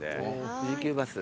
富士急バス。